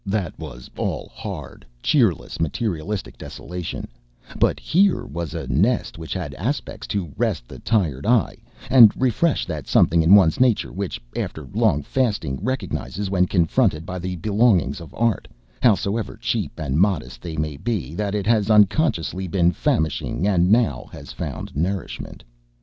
That was all hard, cheerless, materialistic desolation, but here was a nest which had aspects to rest the tired eye and refresh that something in one's nature which, after long fasting, recognizes, when confronted by the belongings of art, howsoever cheap and modest they may be, that it has unconsciously been famishing and now has found nourishment.